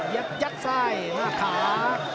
ยัดไส้หน้าขา